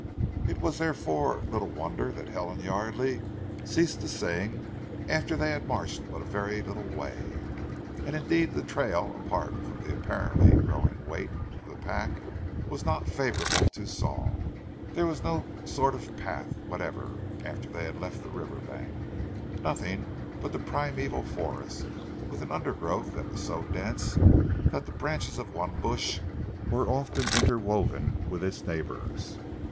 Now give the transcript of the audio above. It was therefore little wonder that Helen Yardely ceased to sing after they had marched but a very little way; and indeed the trail, apart from the apparently growing weight of the pack, was not favourable to song. There was no sort of path whatever after they had left the river bank; nothing but the primeval forest, with an undergrowth that was so dense that the branches of one bush were often interwoven with its neighbours.